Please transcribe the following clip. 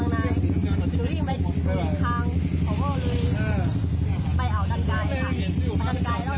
หนูเขาก็ไม่ได้ยินเพราะว่าหนูเขาก็ทำงานเสียงต่าง